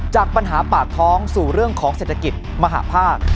จากปัญหาปากท้องสู่เรื่องของเศรษฐกิจมหาภาค